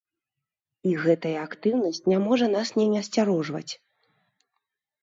І гэтая актыўнасць не можа нас не насцярожваць.